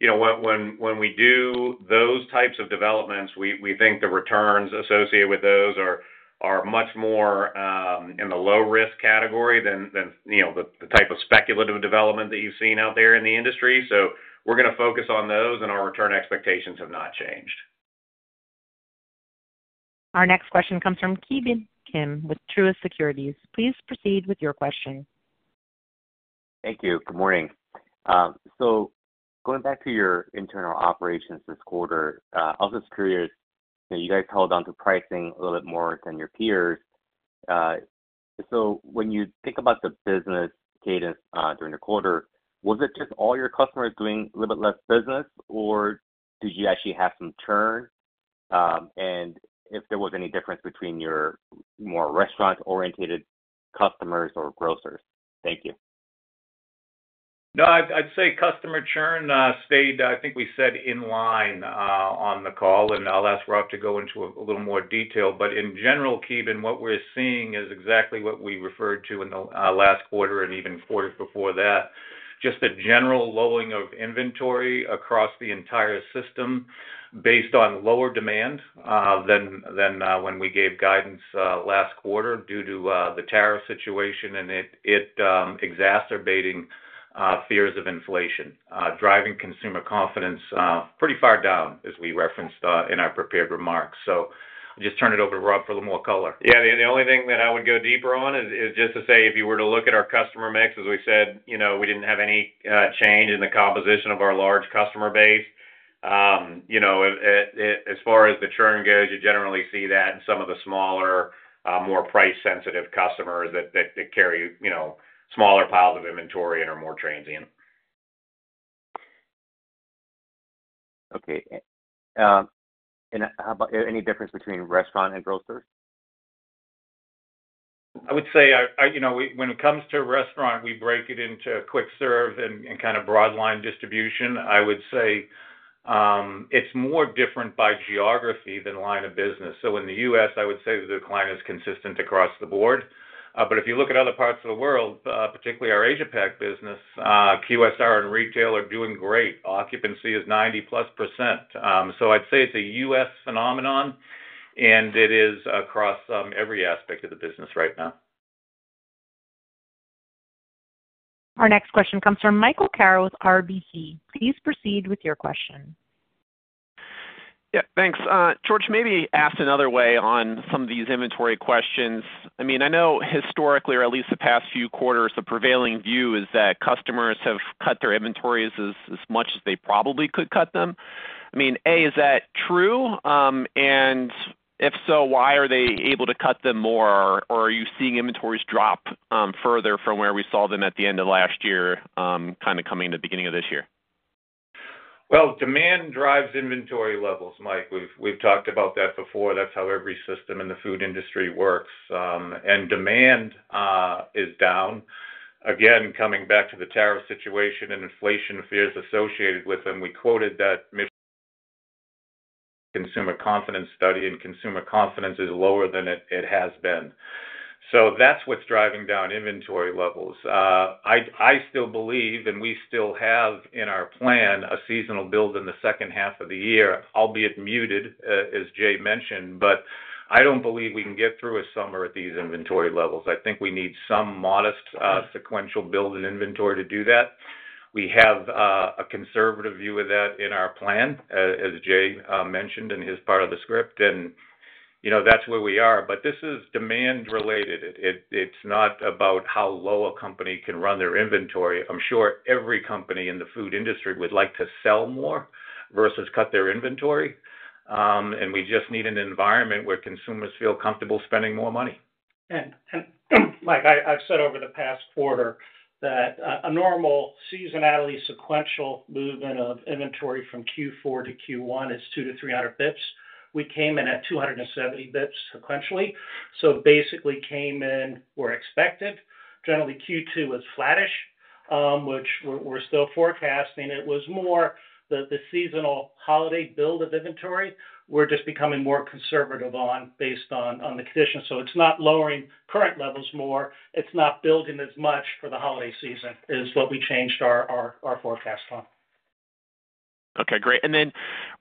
When we do those types of developments, we think the returns associated with those are much more in the low-risk category than the type of speculative development that you have seen out there in the industry. We are going to focus on those, and our return expectations have not changed. Our next question comes from Ki Bin Kim with Truist Securities. Please proceed with your question. Thank you. Good morning. Going back to your internal operations this quarter, I was just curious, you guys held on to pricing a little bit more than your peers. When you think about the business cadence during the quarter, was it just all your customers doing a little bit less business, or did you actually have some churn? If there was any difference between your more restaurant-oriented customers or grocers? Thank you. No, I'd say customer churn stayed, I think we said in line on the call, and I'll ask Rob to go into a little more detail. In general, Ki Bin, what we're seeing is exactly what we referred to in the last quarter and even quarters before that, just a general lowering of inventory across the entire system based on lower demand than when we gave guidance last quarter due to the tariff situation and it exacerbating fears of inflation, driving consumer confidence pretty far down as we referenced in our prepared remarks. I'll just turn it over to Rob for a little more color. Yeah. The only thing that I would go deeper on is just to say if you were to look at our customer mix, as we said, we didn't have any change in the composition of our large customer base. As far as the churn goes, you generally see that in some of the smaller, more price-sensitive customers that carry smaller piles of inventory and are more transient. Okay. Any difference between restaurant and grocers? I would say when it comes to restaurant, we break it into quick serve and kind of broadline distribution. I would say it is more different by geography than line of business. In the U.S., I would say the decline is consistent across the board. If you look at other parts of the world, particularly our Asia-Pac business, QSR and retail are doing great. Occupancy is 90+%. I would say it is a U.S. phenomenon, and it is across every aspect of the business right now. Our next question comes from Michael Carroll with RBC. Please proceed with your question. Yeah. Thanks. George, maybe asked another way on some of these inventory questions. I mean, I know historically, or at least the past few quarters, the prevailing view is that customers have cut their inventories as much as they probably could cut them. I mean, A, is that true? If so, why are they able to cut them more? Are you seeing inventories drop further from where we saw them at the end of last year, kind of coming to the beginning of this year? Demand drives inventory levels, Mike. We've talked about that before. That's how every system in the food industry works. Demand is down. Again, coming back to the tariff situation and inflation fears associated with them, we quoted that consumer confidence study, and consumer confidence is lower than it has been. That's what's driving down inventory levels. I still believe, and we still have in our plan a seasonal build in the second half of the year, albeit muted, as Jay mentioned. I do not believe we can get through a summer at these inventory levels. I think we need some modest sequential build in inventory to do that. We have a conservative view of that in our plan, as Jay mentioned in his part of the script. That is where we are. This is demand-related. It is not about how low a company can run their inventory. I am sure every company in the food industry would like to sell more versus cut their inventory. We just need an environment where consumers feel comfortable spending more money. Mike, I have said over the past quarter that a normal seasonality sequential movement of inventory from Q4 to Q1 is 200 BPS-300 BPS. We came in at 270 BPS sequentially. So basically came in where expected. Generally, Q2 was flattish, which we're still forecasting. It was more the seasonal holiday build of inventory we're just becoming more conservative on based on the conditions. So it's not lowering current levels more. It's not building as much for the holiday season is what we changed our forecast on. Okay. Great. And then,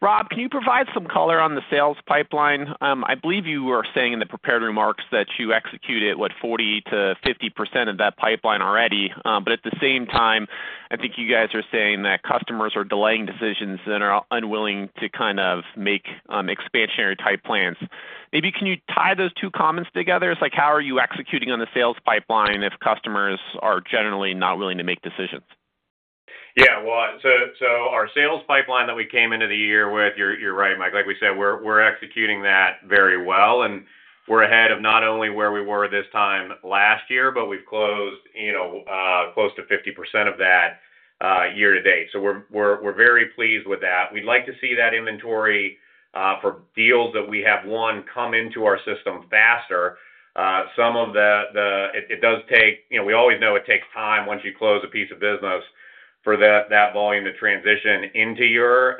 Rob, can you provide some color on the sales pipeline? I believe you were saying in the prepared remarks that you executed, what, 40%-50% of that pipeline already. But at the same time, I think you guys are saying that customers are delaying decisions and are unwilling to kind of make expansionary-type plans. Maybe can you tie those two comments together? It's like, how are you executing on the sales pipeline if customers are generally not willing to make decisions? Yeah. Our sales pipeline that we came into the year with, you're right, Mike. Like we said, we're executing that very well. We're ahead of not only where we were this time last year, but we've closed close to 50% of that year to date. We're very pleased with that. We'd like to see that inventory for deals that we have won come into our system faster. Some of it does take, we always know it takes time once you close a piece of business for that volume to transition into your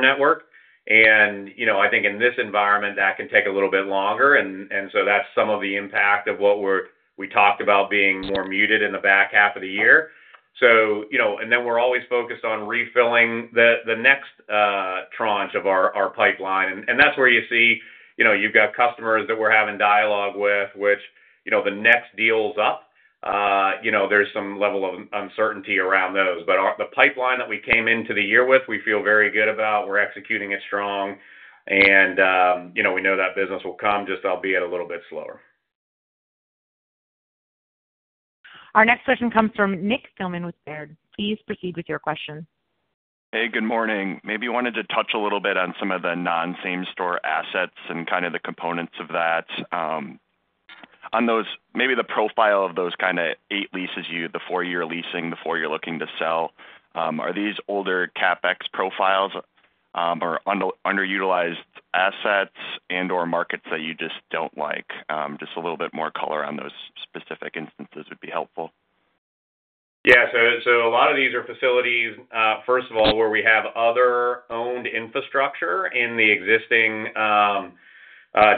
network. I think in this environment, that can take a little bit longer. That's some of the impact of what we talked about being more muted in the back half of the year. We're always focused on refilling the next tranche of our pipeline. That's where you see you've got customers that we're having dialogue with, which the next deals up. There's some level of uncertainty around those. The pipeline that we came into the year with, we feel very good about. We're executing it strong. We know that business will come, just albeit a little bit slower. Our next question comes from Nick Thillman with Baird. Please proceed with your question. Hey, good morning. Maybe you wanted to touch a little bit on some of the non-same-store assets and kind of the components of that. Maybe the profile of those kind of eight leases, the four you're leasing, the four you're looking to sell, are these older CapEx profiles or underutilized assets and/or markets that you just don't like? Just a little bit more color on those specific instances would be helpful. Yeah. A lot of these are facilities, first of all, where we have other owned infrastructure in the existing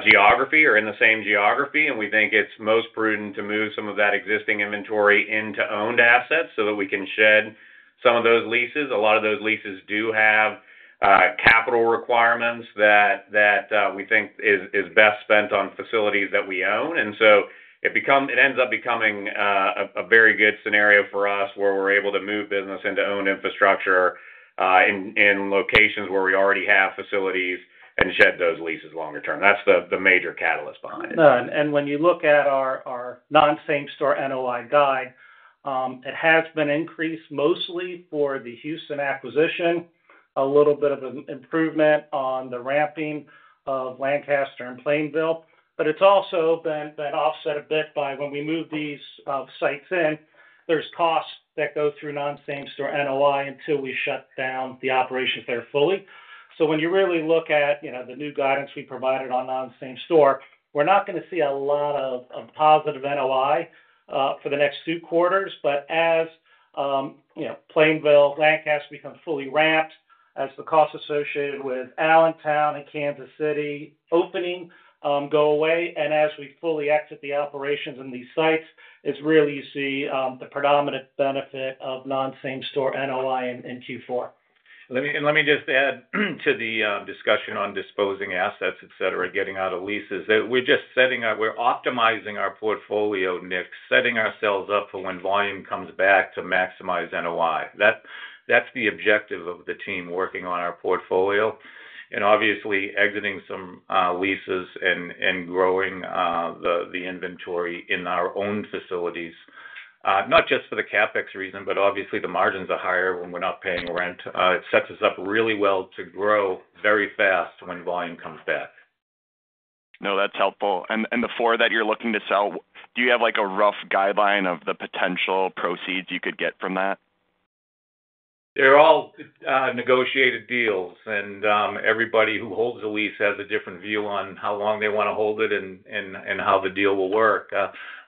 geography or in the same geography. We think it is most prudent to move some of that existing inventory into owned assets so that we can shed some of those leases. A lot of those leases do have capital requirements that we think is best spent on facilities that we own. It ends up becoming a very good scenario for us where we are able to move business into owned infrastructure in locations where we already have facilities and shed those leases longer term. That is the major catalyst behind it. When you look at our non-same-store NOI guide, it has been increased mostly for the Houston acquisition, a little bit of an improvement on the ramping of Lancaster and Plainville. It has also been offset a bit by when we move these sites in, there are costs that go through non-same-store NOI until we shut down the operations there fully. When you really look at the new guidance we provided on non-same-store, we are not going to see a lot of positive NOI for the next two quarters. As Plainville, Lancaster becomes fully ramped, as the costs associated with Allentown and Kansas City opening go away, and as we fully exit the operations in these sites, you really see the predominant benefit of non-same-store NOI in Q4. Let me just add to the discussion on disposing assets, getting out of leases. We are just setting up. We are optimizing our portfolio, Nick, setting ourselves up for when volume comes back to maximize NOI. That is the objective of the team working on our portfolio. Obviously, exiting some leases and growing the inventory in our own facilities, not just for the CapEx reason, but obviously, the margins are higher when we're not paying rent. It sets us up really well to grow very fast when volume comes back. No, that's helpful. The four that you're looking to sell, do you have a rough guideline of the potential proceeds you could get from that? They're all negotiated deals. Everybody who holds a lease has a different view on how long they want to hold it and how the deal will work.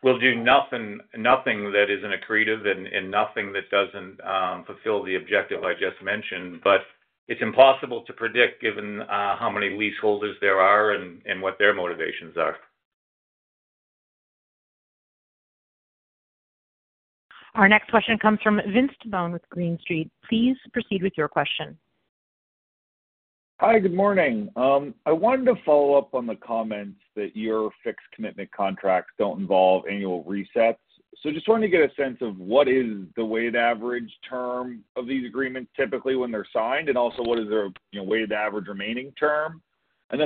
We'll do nothing that isn't accretive and nothing that doesn't fulfill the objective I just mentioned. It's impossible to predict given how many leaseholders there are and what their motivations are. Our next question comes from Vince Tibone with Green Street. Please proceed with your question. Hi, good morning. I wanted to follow up on the comments that your fixed commitment contracts do not involve annual resets. Just wanted to get a sense of what is the weighted average term of these agreements typically when they are signed, and also what is their weighted average remaining term?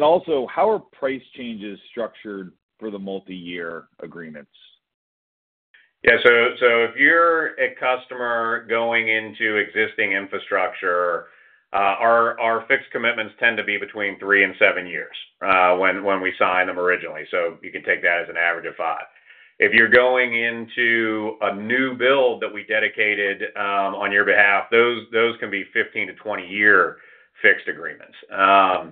Also, how are price changes structured for the multi-year agreements? Yeah. If you are a customer going into existing infrastructure, our fixed commitments tend to be between three and seven years when we sign them originally. You can take that as an average of five. If you are going into a new build that we dedicated on your behalf, those can be 15year-20 year fixed agreements. I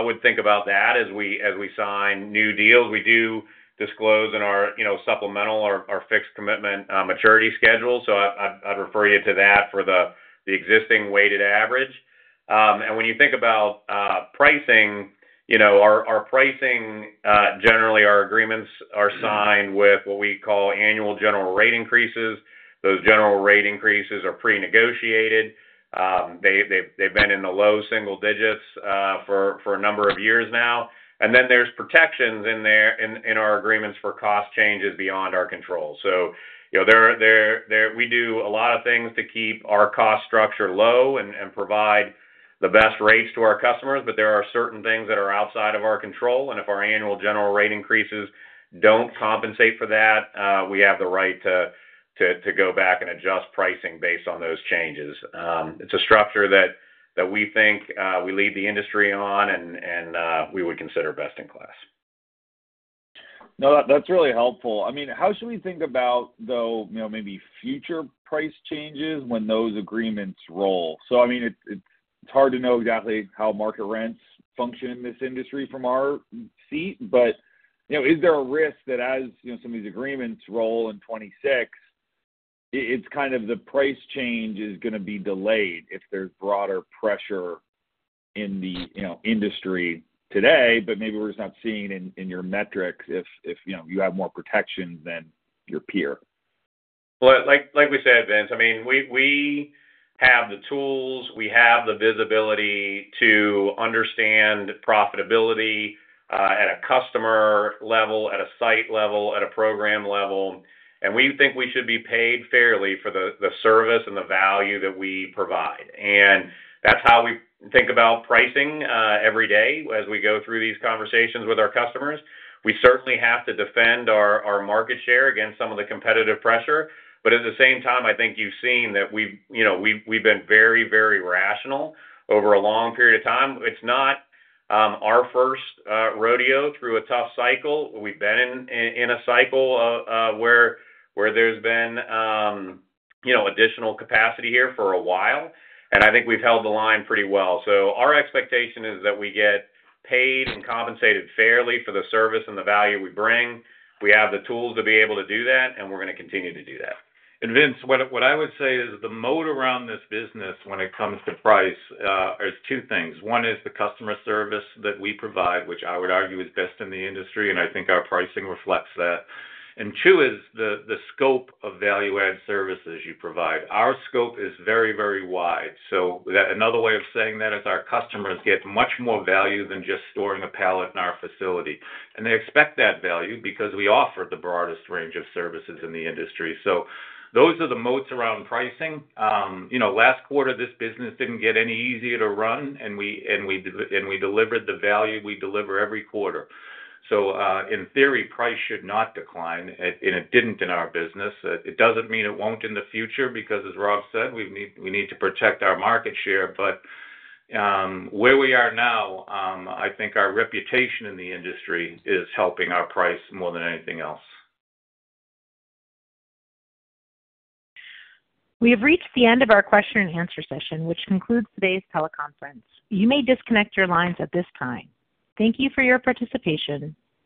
would think about that as we sign new deals. We do disclose in our supplemental our fixed commitment maturity schedule. I would refer you to that for the existing weighted average. When you think about pricing, our pricing, generally, our agreements are signed with what we call annual general rate increases. Those general rate increases are pre-negotiated. They have been in the low single digits for a number of years now. There are protections in our agreements for cost changes beyond our control. We do a lot of things to keep our cost structure low and provide the best rates to our customers. There are certain things that are outside of our control. If our annual general rate increases do not compensate for that, we have the right to go back and adjust pricing based on those changes. It is a structure that we think we lead the industry on, and we would consider best in class. No, that is really helpful. I mean, how should we think about, though, maybe future price changes when those agreements roll? I mean, it's hard to know exactly how market rents function in this industry from our seat. Is there a risk that as some of these agreements roll in 2026, the price change is going to be delayed if there's broader pressure in the industry today, but maybe we're just not seeing it in your metrics if you have more protection than your peer? Like we said, Vince, we have the tools. We have the visibility to understand profitability at a customer level, at a site level, at a program level. We think we should be paid fairly for the service and the value that we provide. That's how we think about pricing every day as we go through these conversations with our customers. We certainly have to defend our market share against some of the competitive pressure. At the same time, I think you've seen that we've been very, very rational over a long period of time. It's not our first rodeo through a tough cycle. We've been in a cycle where there's been additional capacity here for a while. I think we've held the line pretty well. Our expectation is that we get paid and compensated fairly for the service and the value we bring. We have the tools to be able to do that, and we're going to continue to do that. Vince, what I would say is the moat around this business when it comes to price is two things. One is the customer service that we provide, which I would argue is best in the industry, and I think our pricing reflects that. Two is the scope of value-added services you provide. Our scope is very, very wide. Another way of saying that is our customers get much more value than just storing a pallet in our facility. They expect that value because we offer the broadest range of services in the industry. Those are the moats around pricing. Last quarter, this business did not get any easier to run, and we delivered the value we deliver every quarter. In theory, price should not decline, and it did not in our business. It does not mean it will not in the future because, as Rob said, we need to protect our market share. Where we are now, I think our reputation in the industry is helping our price more than anything else. We have reached the end of our question-and-answer session, which concludes today's teleconference. You may disconnect your lines at this time. Thank you for your participation.